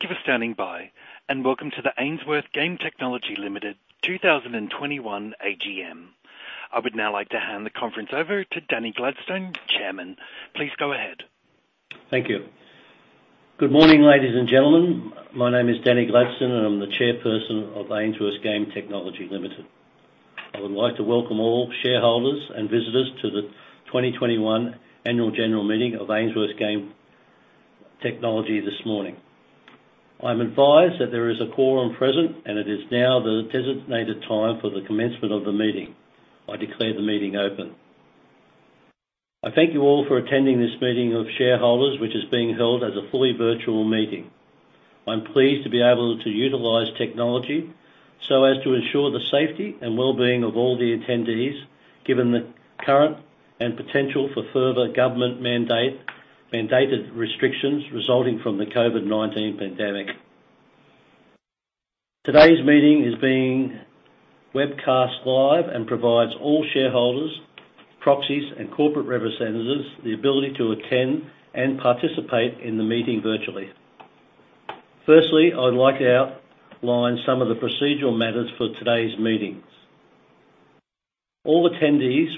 Thank you for standing by, and welcome to the Ainsworth Game Technology Limited 2021 AGM. I would now like to hand the conference over to Danny Gladstone, Chairman. Please go ahead. Thank you. Good morning, ladies and gentlemen. My name is Danny Gladstone, and I'm the Chairperson of Ainsworth Game Technology Limited. I would like to welcome all shareholders and visitors to the 2021 annual general meeting of Ainsworth Game Technology this morning. I'm advised that there is a quorum present, and it is now the designated time for the commencement of the meeting. I declare the meeting open. I thank you all for attending this meeting of shareholders which is being held as a fully virtual meeting. I'm pleased to be able to utilize technology so as to ensure the safety and wellbeing of all the attendees, given the current and potential for further government-mandated restrictions resulting from the COVID-19 pandemic. Today's meeting is being webcast live and provides all shareholders, proxies, and corporate representatives the ability to attend and participate in the meeting virtually. Firstly, I would like to outline some of the procedural matters for today's meetings. All attendees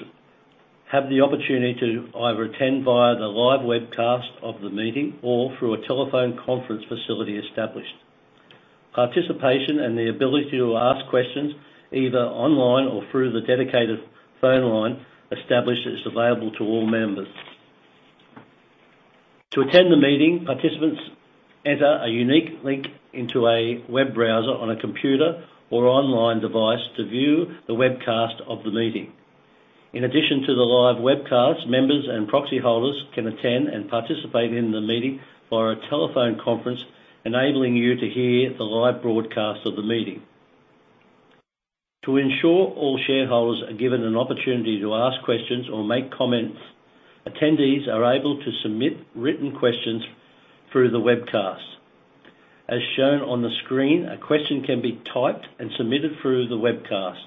have the opportunity to either attend via the live webcast of the meeting or through a telephone conference facility established. Participation and the ability to ask questions either online or through the dedicated phone line established is available to all members. To attend the meeting, participants enter a unique link into a web browser on a computer or online device to view the webcast of the meeting. In addition to the live webcast, members and proxy holders can attend and participate in the meeting via a telephone conference, enabling you to hear the live broadcast of the meeting. To ensure all shareholders are given an opportunity to ask questions or make comments, attendees are able to submit written questions through the webcast. As shown on the screen, a question can be typed and submitted through the webcast.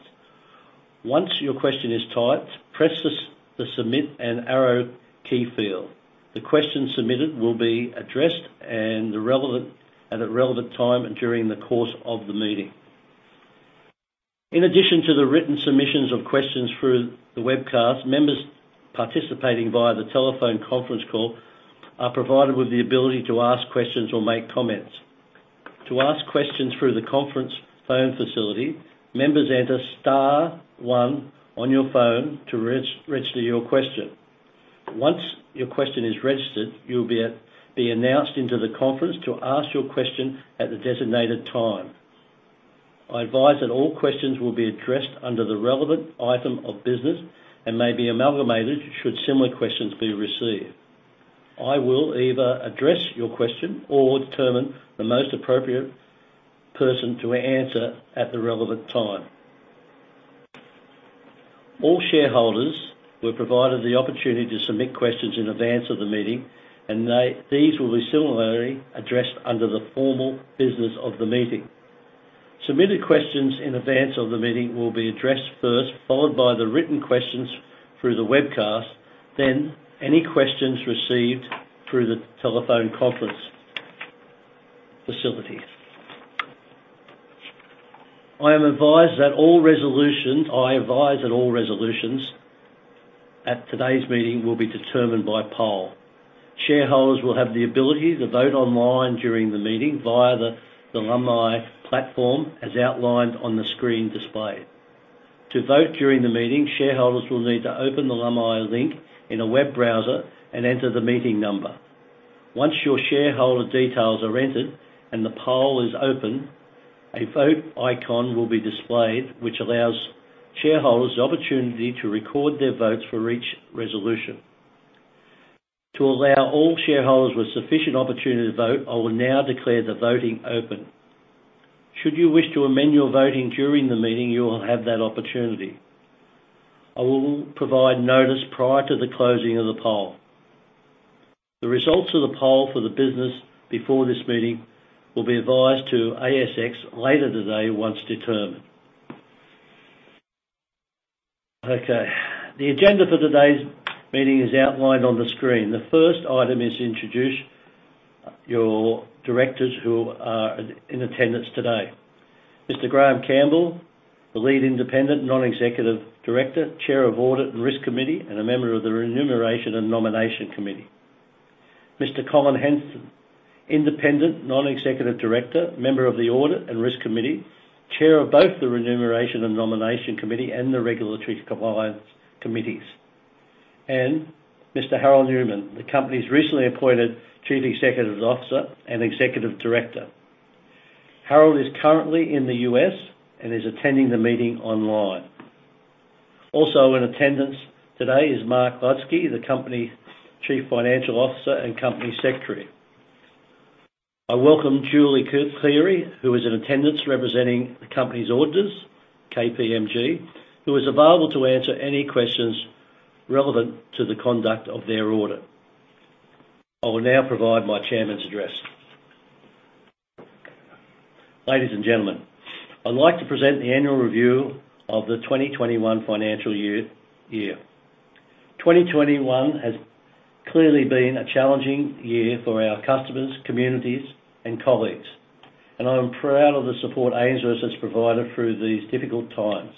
Once your question is typed, press the Submit and Arrow key field. The question submitted will be addressed at a relevant time and during the course of the meeting. In addition to the written submissions of questions through the webcast, members participating via the telephone conference call are provided with the ability to ask questions or make comments. To ask questions through the conference phone facility, members enter star one on your phone to register your question. Once your question is registered, you'll be announced into the conference to ask your question at the designated time. I advise that all questions will be addressed under the relevant item of business and may be amalgamated, should similar questions be received. I will either address your question or determine the most appropriate person to answer at the relevant time. All shareholders were provided the opportunity to submit questions in advance of the meeting, and these will be similarly addressed under the formal business of the meeting. Submitted questions in advance of the meeting will be addressed first, followed by the written questions through the webcast, then any questions received through the telephone conference facility. I advise that all resolutions at today's meeting will be determined by poll. Shareholders will have the ability to vote online during the meeting via the Lumi platform as outlined on the screen display. To vote during the meeting, shareholders will need to open the Lumi link in a web browser and enter the meeting number. Once your shareholder details are entered and the poll is open, a vote icon will be displayed, which allows shareholders the opportunity to record their votes for each resolution. To allow all shareholders with sufficient opportunity to vote, I will now declare the voting open. Should you wish to amend your voting during the meeting, you will have that opportunity. I will provide notice prior to the closing of the poll. The results of the poll for the business before this meeting will be advised to ASX later today once determined. Okay. The agenda for today's meeting is outlined on the screen. The first item is to introduce your directors who are in attendance today. Mr. Graeme Campbell, the Lead Independent Non-Executive Director, Chair of the Audit and Risk Committee, and a member of the Remuneration and Nomination Committee. Mr. Colin Henson, Independent Non-Executive Director, member of the Audit and Risk Committee, chair of both the Remuneration and Nomination Committee and the Regulatory and Compliance Committee. Mr. Harald Neumann, the company's recently appointed Chief Executive Officer and executive director. Harold is currently in the U.S. and is attending the meeting online. Also in attendance today is Mark Ludski, the company's Chief Financial Officer and Company Secretary. I welcome Julie Cleary, who is in attendance representing the company's auditors, KPMG, who is available to answer any questions relevant to the conduct of their audit. I will now provide my chairman's address. Ladies and gentlemen, I'd like to present the annual review of the 2021 financial year. 2021 has clearly been a challenging year for our customers, communities, and colleagues, and I'm proud of the support Ainsworth has provided through these difficult times.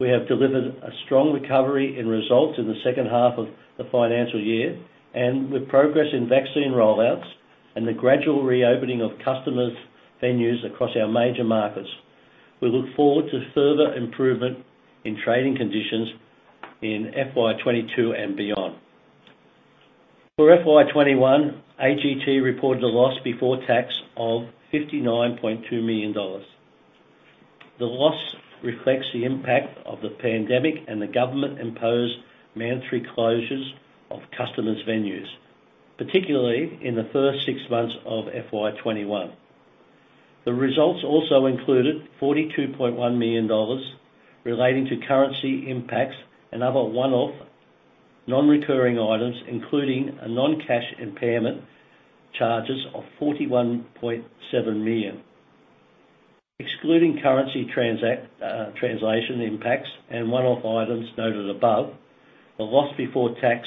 We have delivered a strong recovery in results in the second half of the financial year, and with progress in vaccine rollouts and the gradual reopening of customers' venues across our major markets. We look forward to further improvement in trading conditions in FY 2022 and beyond. For FY 2021, AGT reported a loss before tax of 59.2 million dollars. The loss reflects the impact of the pandemic and the government-imposed mandatory closures of customers' venues, particularly in the first six months of FY 2021. The results also included 42.1 million dollars relating to currency impacts and other one-off non-recurring items, including a non-cash impairment charges of 41.7 million. Excluding currency translation impacts and one-off items noted above, the loss before tax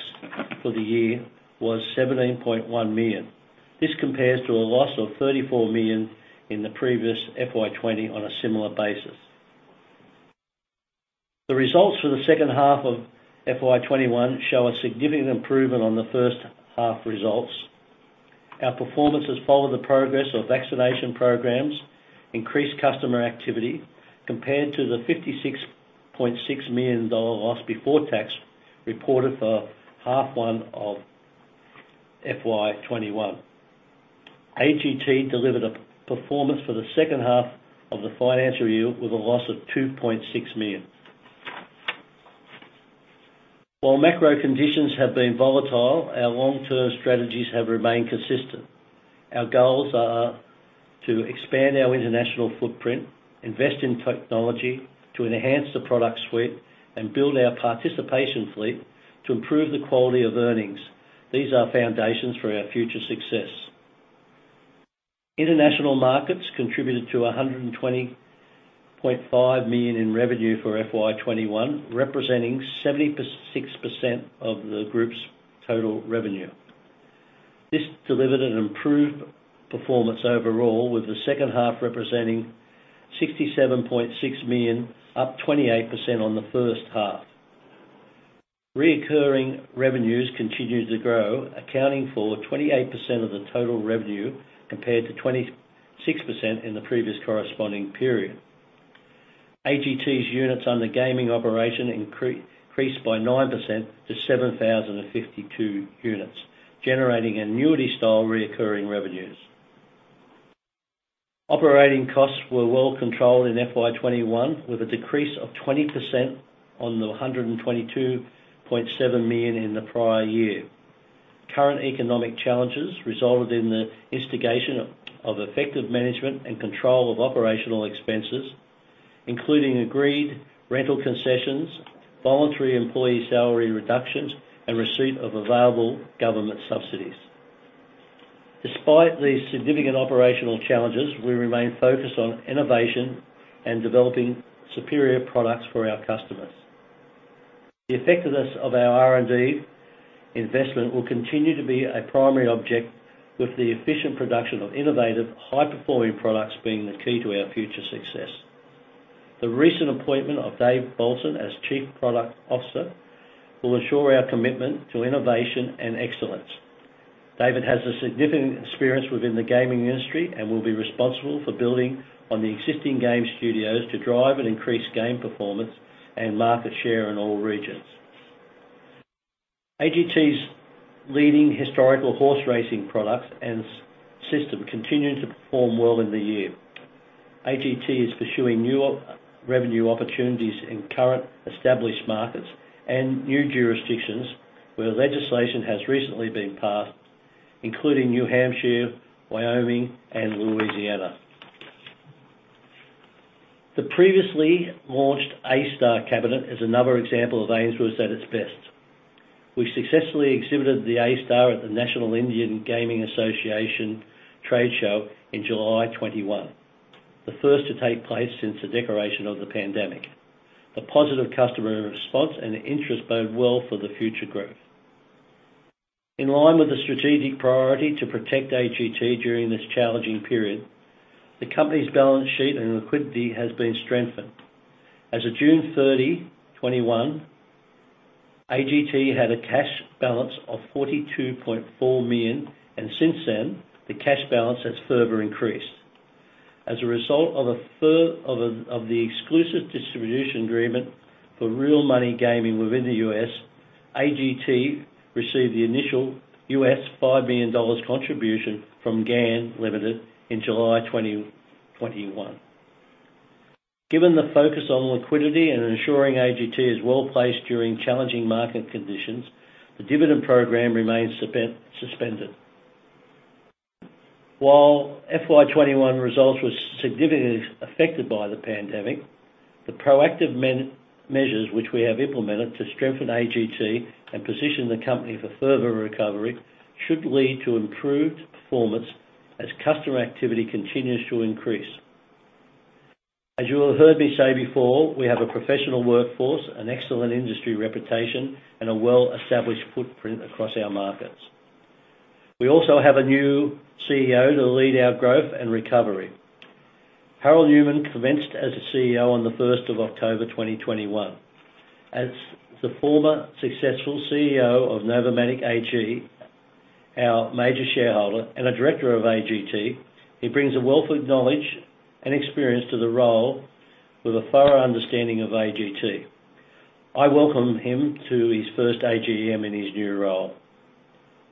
for the year was 17.1 million. This compares to a loss of 34 million in the previous FY 2020 on a similar basis. The results for the second half of FY 2021 show a significant improvement on the first half results. Our performance has followed the progress of vaccination programs and increased customer activity compared to the 56.6 million dollar loss before tax reported for the H1 of FY 2021. AGT delivered a performance for the H2 of the financial year with a loss of 2.6 million. While macro conditions have been volatile, our long-term strategies have remained consistent. Our goals are to expand our international footprint, invest in technology to enhance the product suite, and build our participation fleet to improve the quality of earnings. These are foundations for our future success. International markets contributed 120.5 million in revenue for FY 2021, representing 76% of the group's total revenue. This delivered an improved performance overall, with the H2 representing 67.6 million, up 28% on the H1. Recurring revenues continued to grow, accounting for 28% of the total revenue compared to 26% in the previous corresponding period. AGT's units under gaming operation increased by 9% to 7,052 units, generating annuity-style recurring revenues. Operating costs were well-controlled in FY 2021, with a decrease of 20% on the 122.7 million in the prior year. Current economic challenges resulted in the instigation of effective management and control of operational expenses, including agreed rental concessions, voluntary employee salary reductions, and receipt of available government subsidies. Despite these significant operational challenges, we remain focused on innovation and developing superior products for our customers. The effectiveness of our R&D investment will continue to be a primary objective, with the efficient production of innovative, high-performing products being the key to our future success. The recent appointment of David Bollesen as Chief Product Officer will assure our commitment to innovation and excellence. David has a significant experience within the gaming industry and will be responsible for building on the existing game studios to drive and increase game performance and market share in all regions. AGT's leading historical horse racing products and HHR system continued to perform well in the year. AGT is pursuing new revenue opportunities in current established markets and new jurisdictions where legislation has recently been passed, including New Hampshire, Wyoming, and Louisiana. The previously launched A-STAR cabinet is another example of Ainsworth at its best. We successfully exhibited the A-STAR at the National Indian Gaming Association trade show in July 2021, the first to take place since the declaration of the pandemic. The positive customer response and interest bode well for the future growth. In line with the strategic priority to protect AGT during this challenging period, the company's balance sheet and liquidity has been strengthened. As of June 30, 2021, AGT had a cash balance of 42.4 million, and since then, the cash balance has further increased. As a result of the exclusive distribution agreement for real money gaming within the U.S., AGT received the initial $5 million contribution from GAN Limited in July 2021. Given the focus on liquidity and ensuring AGT is well-placed during challenging market conditions, the dividend program remains suspended. While FY 2021 results were significantly affected by the pandemic. The proactive measures which we have implemented to strengthen AGT and position the company for further recovery should lead to improved performance as customer activity continues to increase. As you have heard me say before, we have a professional workforce, an excellent industry reputation, and a well-established footprint across our markets. We also have a new CEO to lead our growth and recovery. Harald Neumann commenced as the CEO on the October 1, 2021. As the former successful CEO of NOVOMATIC AG, our major shareholder and a director of AGT, he brings a wealth of knowledge and experience to the role with a thorough understanding of AGT. I welcome him to his first AGM in his new role.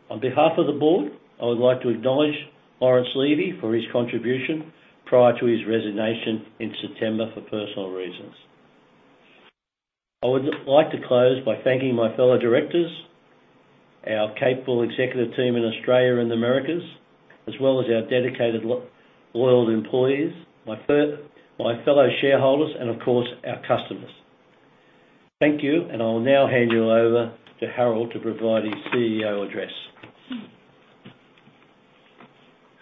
On behalf of the board, I would like to acknowledge Lawrence Levy for his contribution prior to his resignation in September for personal reasons. I would like to close by thanking my fellow directors, our capable executive team in Australia and the Americas, as well as our dedicated loyal employees, my fellow shareholders, and of course, our customers. Thank you, and I will now hand you over to Harald to provide his CEO address.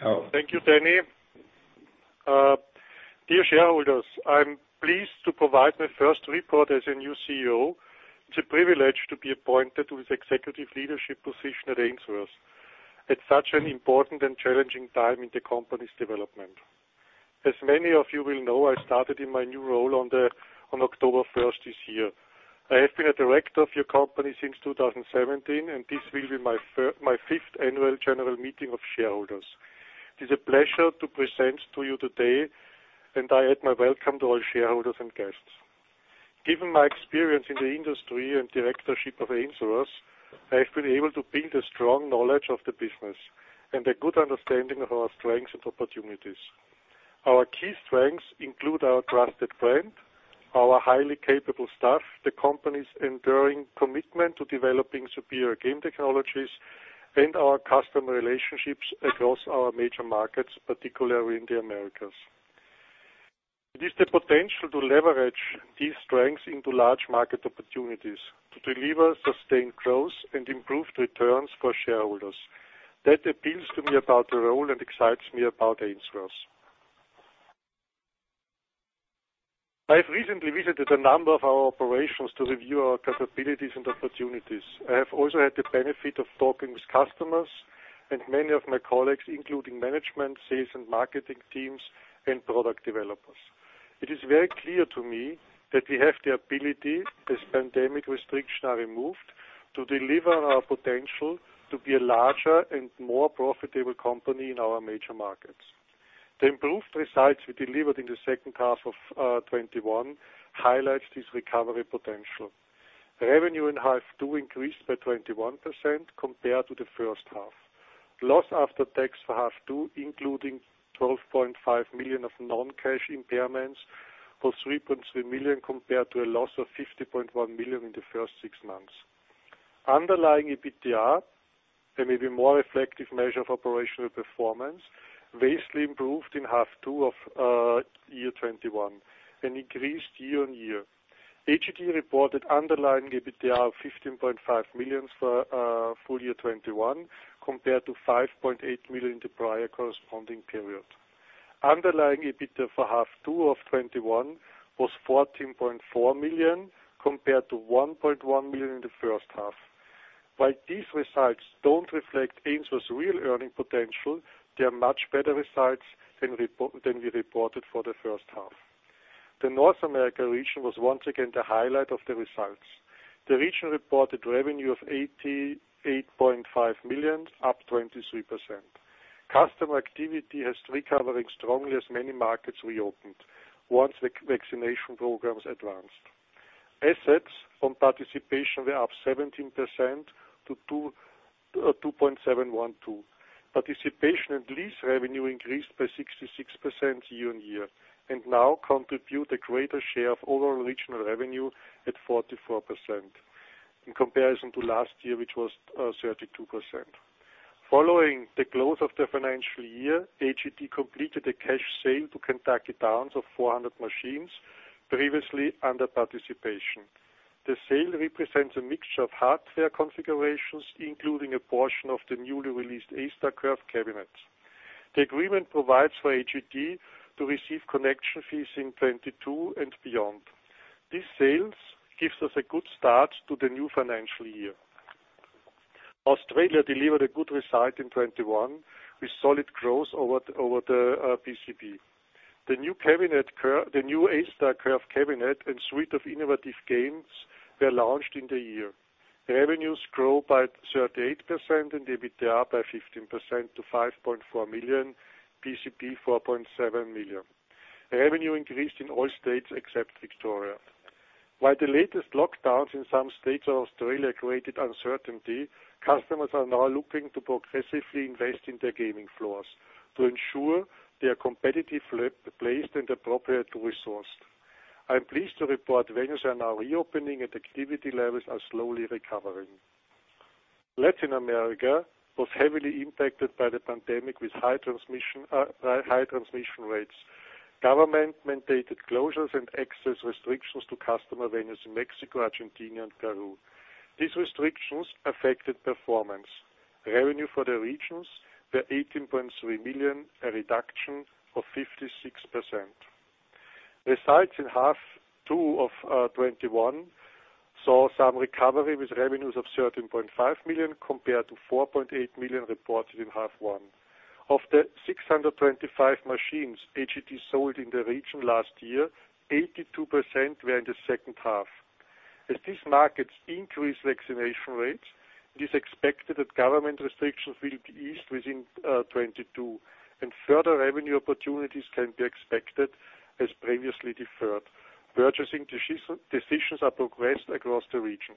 Harald. Thank you, Danny. Dear shareholders, I'm pleased to provide my first report as your new CEO. It's a privilege to be appointed to this executive leadership position at Ainsworth at such an important and challenging time in the company's development. As many of you will know, I started in my new role on October 1 this year. I have been a director of your company since 2017, and this will be my fifth annual general meeting of shareholders. It is a pleasure to present to you today, and I add my welcome to all shareholders and guests. Given my experience in the industry and directorship of Ainsworth, I have been able to build a strong knowledge of the business and a good understanding of our strengths and opportunities. Our key strengths include our trusted brand, our highly capable staff, the company's enduring commitment to developing superior game technologies, and our customer relationships across our major markets, particularly in the Americas. It is the potential to leverage these strengths into large market opportunities to deliver sustained growth and improved returns for shareholders. That appeals to me about the role and excites me about Ainsworth. I have recently visited a number of our operations to review our capabilities and opportunities. I have also had the benefit of talking with customers and many of my colleagues, including management, sales and marketing teams, and product developers. It is very clear to me that we have the ability, as pandemic restrictions are removed, to deliver our potential to be a larger and more profitable company in our major markets. The improved results we delivered in the H2 of 2021 highlights this recovery potential. Revenue in half two increased by 21% compared to the H1. Loss after tax for half two, including 12.5 million of non-cash impairments, was 3.3 million compared to a loss of 50.1 million in the first six months. Underlying EBITDA, a maybe more reflective measure of operational performance, vastly improved in half two of year 2021 and increased year-on-year. AGT reported underlying EBITDA of 15.5 million for full year 2021 compared to 5.8 million in the prior corresponding period. Underlying EBITDA for half two of 2021 was 14.4 million compared to 1.1 million in the H1. While these results don't reflect Ainsworth's real earning potential, they are much better results than we reported for the H1. The North America region was once again the highlight of the results. The region reported revenue of 88.5 million, up 23%. Customer activity is recovering strongly as many markets reopened once vaccination programs advanced. Assets on participation were up 17% to 271.2 million. Participation and lease revenue increased by 66% year-over-year and now contribute a greater share of overall regional revenue at 44% in comparison to last year, which was 32%. Following the close of the financial year, AGT completed a cash sale to Kentucky Downs of 400 machines previously under participation. The sale represents a mixture of hardware configurations, including a portion of the newly released A-STAR Curve cabinets. The agreement provides for AGT to receive connection fees in 2022 and beyond. These sales gives us a good start to the new financial year. Australia delivered a good result in 2021 with solid growth over the PCP. The new A-STAR Curve cabinet and suite of innovative games were launched in the year. The revenues grow by 38% and EBITDA by 15% to 5.4 million, PCP 4.7 million. Revenue increased in all states except Victoria. While the latest lockdowns in some states of Australia created uncertainty, customers are now looking to progressively invest in their gaming floors to ensure they are competitively placed and appropriately resourced. I am pleased to report venues are now reopening and activity levels are slowly recovering. Latin America was heavily impacted by the pandemic with high transmission rates. Government-mandated closures and access restrictions to customer venues in Mexico, Argentina, and Peru. These restrictions affected performance. Revenue for the regions were 18.3 million, a reduction of 56%. Results in half two of 2021 saw some recovery with revenues of 13.5 million compared to 4.8 million reported in half one. Of the 625 machines AGT sold in the region last year, 82% were in the H2. As these markets increase vaccination rates, it is expected that government restrictions will ease within 2022, and further revenue opportunities can be expected as previously deferred purchasing decisions are progressed across the region.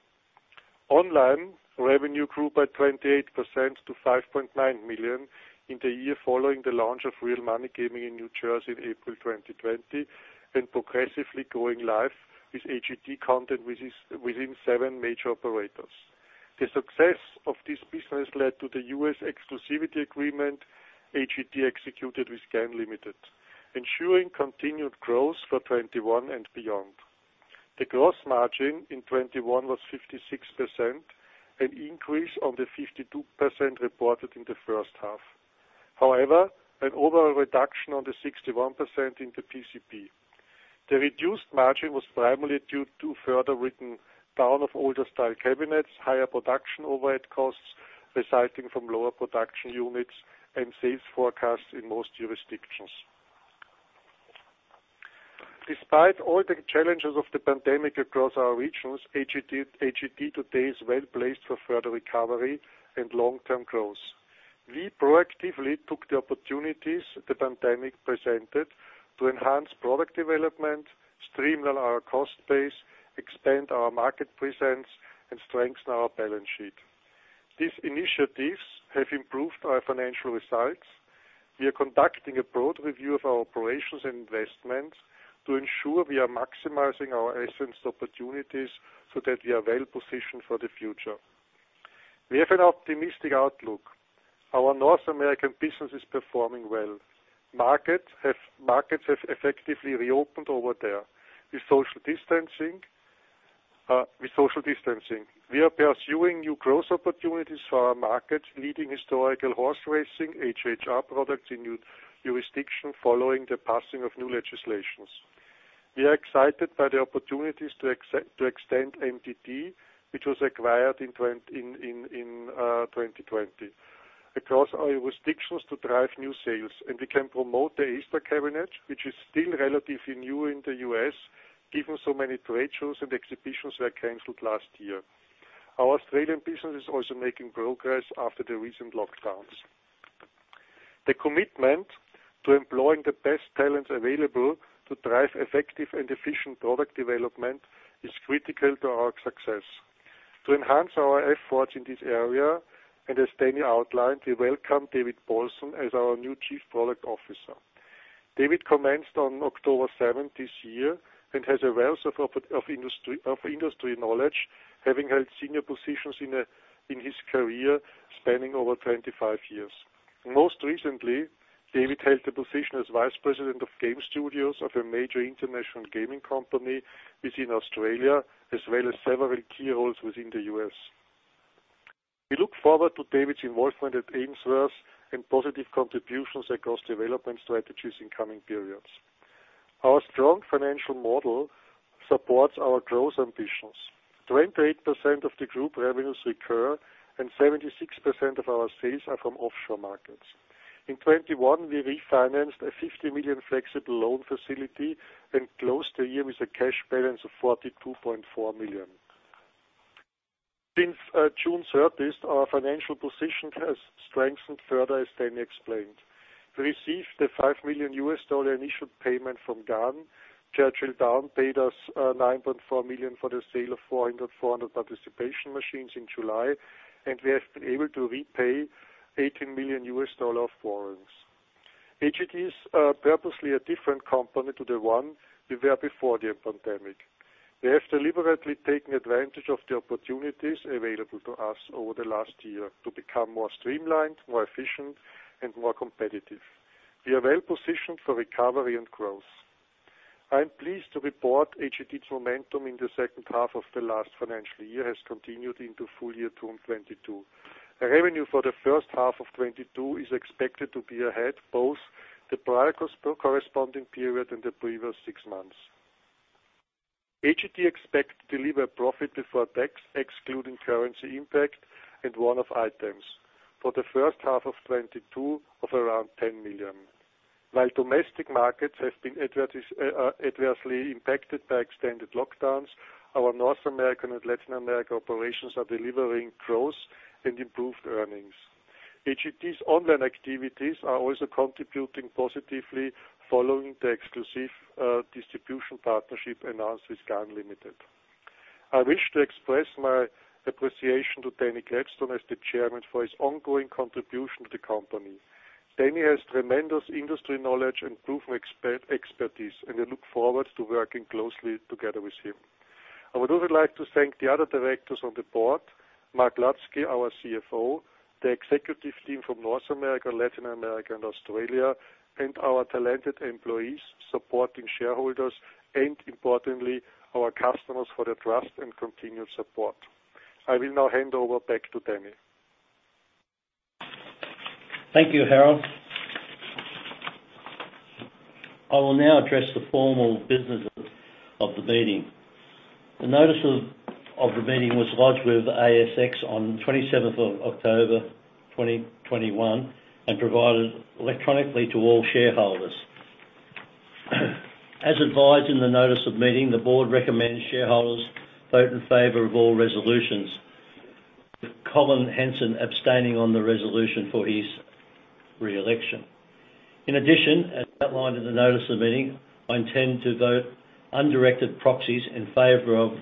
Online revenue grew by 28% to 5.9 million in the year following the launch of Real Money Gaming in New Jersey in April 2020, and progressively going live with AGT content within seven major operators. The success of this business led to the U.S. exclusivity agreement AGT executed with GAN Limited, ensuring continued growth for 2021 and beyond. The gross margin in 2021 was 56%, an increase on the 52% reported in the first half. However, an overall reduction on the 61% in the PCP. The reduced margin was primarily due to further written down of older style cabinets, higher production overhead costs resulting from lower production units and sales forecasts in most jurisdictions. Despite all the challenges of the pandemic across our regions, AGT today is well-placed for further recovery and long-term growth. We proactively took the opportunities the pandemic presented to enhance product development, streamline our cost base, expand our market presence, and strengthen our balance sheet. These initiatives have improved our financial results. We are conducting a broad review of our operations and investments to ensure we are maximizing our assets opportunities so that we are well-positioned for the future. We have an optimistic outlook. Our North American business is performing well. Markets have effectively reopened over there with social distancing. We are pursuing new growth opportunities for our markets, leading historical horse racing, HHR products in new jurisdiction following the passing of new legislations. We are excited by the opportunities to extend MTD, which was acquired in 2020. Across our jurisdictions to drive new sales, and we can promote the A-STAR cabinet, which is still relatively new in the U.S., given so many trade shows and exhibitions were canceled last year. Our Australian business is also making progress after the recent lockdowns. The commitment to employing the best talent available to drive effective and efficient product development is critical to our success. To enhance our efforts in this area, and as Danny outlined, we welcome David Bollesen as our new Chief Product Officer. David commenced on October 7 this year and has a wealth of industry knowledge, having held senior positions in his career spanning over 25 years. Most recently, David held the position as Vice President of game studios of a major international gaming company within Australia, as well as several key roles within the U.S. We look forward to David's involvement at Ainsworth and positive contributions across development strategies in coming periods. Our strong financial model supports our growth ambitions. 28% of the group revenues recur and 76% of our sales are from offshore markets. In 2021, we refinanced a 50 million flexible loan facility and closed the year with a cash balance of 42.4 million. Since June 30, our financial position has strengthened further, as Danny explained. We received the $5 million initial payment from GAN. Churchill Downs paid us $9.4 million for the sale of 400 participation machines in July, and we have been able to repay $18 million of borrowings. AGT is purposely a different company to the one we were before the pandemic. We have deliberately taken advantage of the opportunities available to us over the last year to become more streamlined, more efficient, and more competitive. We are well-positioned for recovery and growth. I am pleased to report AGT's momentum in the H2 of the last financial year has continued into full year 2022. Our revenue for the H1 of 2022 is expected to be ahead of both the prior corresponding period and the previous six months. AGT expects to deliver profit before tax, excluding currency impact and one-off items for the H1 of 2022 of around 10 million. While domestic markets have been adversely impacted by extended lockdowns, our North American and Latin America operations are delivering growth and improved earnings. AGT's online activities are also contributing positively following the exclusive distribution partnership announced with GAN Limited. I wish to express my appreciation to Danny Gladstone as the Chairman for his ongoing contribution to the company. Danny has tremendous industry knowledge and proven expertise, and we look forward to working closely together with him. I would also like to thank the other directors on the board, Mark Ludski, our CFO, the executive team from North America, Latin America, and Australia, and our talented employees supporting shareholders and, importantly, our customers for their trust and continued support. I will now hand over back to Danny. Thank you, Harald. I will now address the formal businesses of the meeting. The notice of the meeting was lodged with ASX on October 27, 2021, and provided electronically to all shareholders. As advised in the notice of meeting, the board recommends shareholders vote in favor of all resolutions, with Colin Henson abstaining on the resolution for his re-election. In addition, as outlined in the notice of meeting, I intend to vote undirected proxies in favor of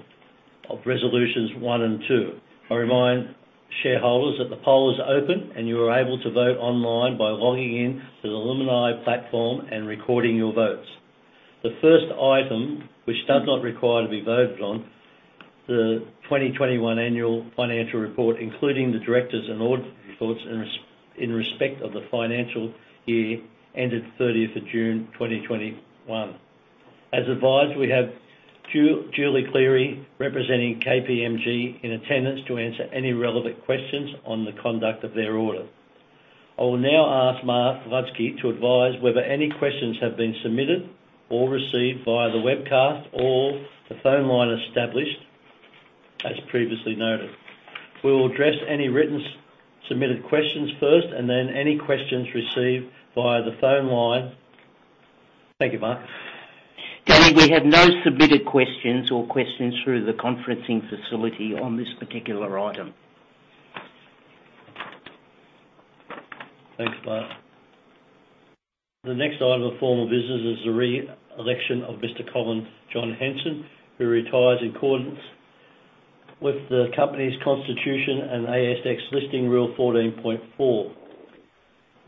resolutions one and two. I remind shareholders that the poll is open and you are able to vote online by logging in to the Lumi platform and recording your votes. The first item, which does not require to be voted on, the 2021 annual financial report, including the directors and audit reports in respect of the financial year ended June 30, 2021. As advised, we have Julie Cleary, representing KPMG, in attendance to answer any relevant questions on the conduct of their audit. I will now ask Mark Ludski to advise whether any questions have been submitted or received via the webcast or the phone line established as previously noted. We will address any written submitted questions first, and then any questions received via the phone line. Thank you, Mark. Danny, we have no submitted questions or questions through the conferencing facility on this particular item. Thanks, Mark. The next item of formal business is the re-election of Mr. Colin John Henson, who retires in accordance with the company's constitution and ASX listing rule 14.4.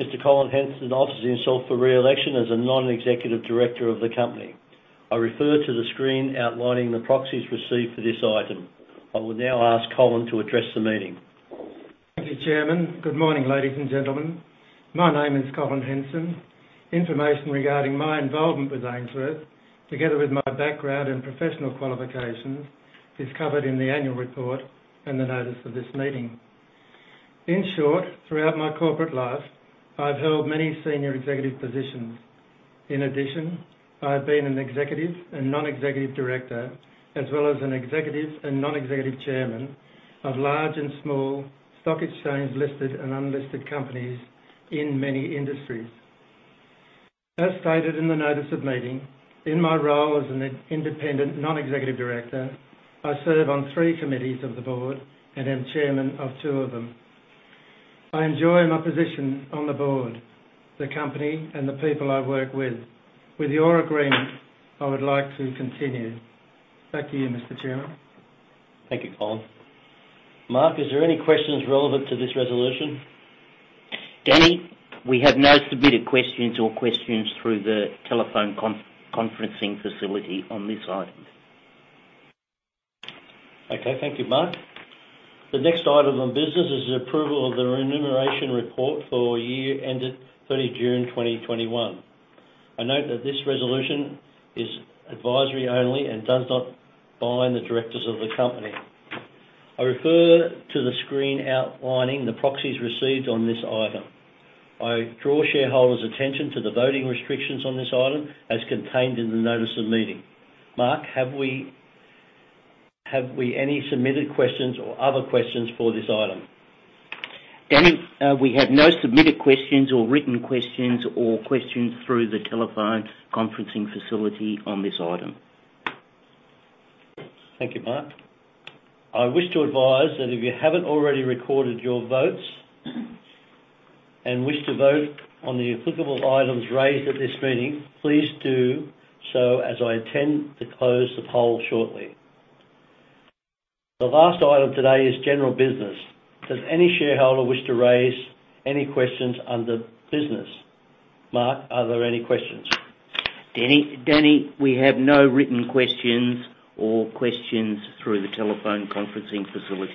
Mr. Colin John Henson offers himself for re-election as a non-executive director of the company. I refer to the screen outlining the proxies received for this item. I will now ask Colin to address the meeting. Thank you, Chairman. Good morning, ladies and gentlemen. My name is Colin Henson. Information regarding my involvement with Ainsworth, together with my background and professional qualifications, is covered in the annual report and the notice of this meeting. In short, throughout my corporate life, I've held many senior executive positions. In addition, I've been an executive and non-executive director, as well as an executive and non-executive chairman of large and small Stock Exchange-listed and unlisted companies in many industries. As stated in the notice of meeting, in my role as an independent non-executive director, I serve on three committees of the board and am chairman of two of them. I enjoy my position on the board, the company, and the people I work with. With your agreement, I would like to continue. Back to you, Mr. Chairman. Thank you, Colin. Mark, is there any questions relevant to this resolution? Danny, we have no submitted questions or questions through the telephone conferencing facility on this item. Okay. Thank you, Mark. The next item of business is the approval of the Remuneration Report for the year ended June 30, 2021. I note that this resolution is advisory only and does not bind the directors of the company. I refer to the screen outlining the proxies received on this item. I draw shareholders' attention to the voting restrictions on this item as contained in the Notice of Meeting. Mark, have we any submitted questions or other questions for this item? Danny, we have no submitted questions or written questions or questions through the telephone conferencing facility on this item. Thank you, Mark. I wish to advise that if you haven't already recorded your votes and wish to vote on the applicable items raised at this meeting, please do so as I intend to close the poll shortly. The last item today is general business. Does any shareholder wish to raise any questions under business? Mark, are there any questions? Danny, we have no written questions or questions through the telephone conferencing facility.